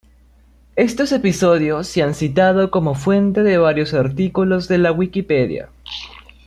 Estos episodios se han citado como fuente de varios artículos de la Wikipedia.